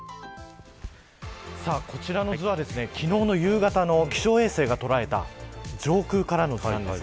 こちらの図は昨日の夕方の気象衛星が捉えた上空からの映像です。